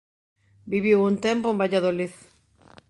Viviu un tempo en Valladolid.